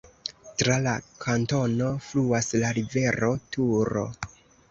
Tra la kantono fluas la rivero Turo.